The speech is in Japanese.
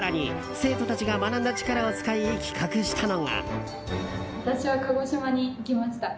生徒たちが学んだ力を使い企画したのが。